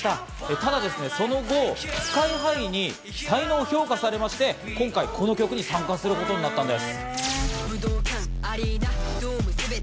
ただその後、ＳＫＹ−ＨＩに才能を評価されまして、今回、この曲に参加することになったんです。